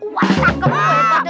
wah sangka mu hebat